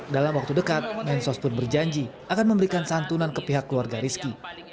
dalam waktu dekat mensos pun berjanji akan memberikan santunan ke pihak keluarga rizky